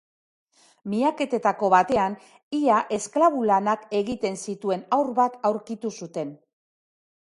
Miaketetako batean ia esklabo lanak egiten zituen haur bat aurkitu zuten.